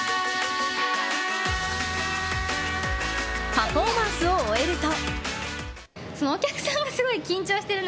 パフォーマンスを終えると。